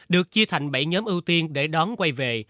được chia thành bảy nhóm ưu tiên để đón quay về